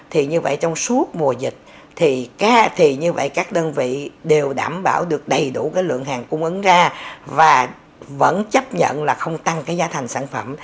thì như vậy trong suốt mùa dịch các đơn vị đều đảm bảo được đầy đủ lượng hàng cung ứng ra và vẫn chấp nhận không tăng giá thành sản phẩm